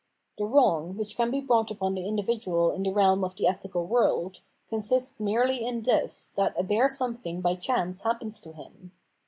The wrong, which can be brought upon the individual in the realm of the ethical world, consists merely in this, that a bare something by chance happens to him.